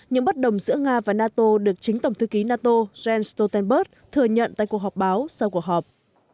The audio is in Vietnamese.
những bất đồng giữa nga và nato được chính tổng thư ký nato jens stoltenberg thừa nhận tại cuộc họp báo sau cuộc họp